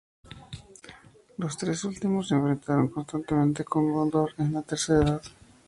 Los tres últimos se enfrentaron constantemente con Gondor en la Tercera Edad.